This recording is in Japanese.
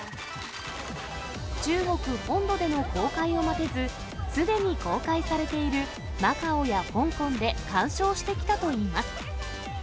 中国本土での公開を待てず、すでに公開されているマカオや香港で鑑賞してきたといいます。